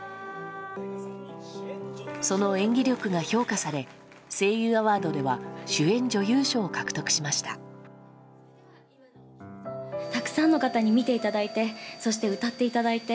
その演技力が評価され声優アワードでは主演女優賞を獲得しました。